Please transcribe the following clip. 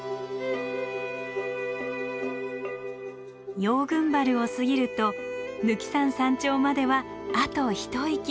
羊群原を過ぎると貫山山頂まではあと一息。